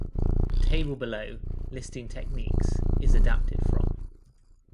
The table below, listing techniques, is adapted from.